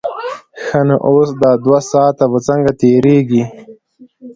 ښه نو اوس دا دوه ساعته به څنګه تېرېږي.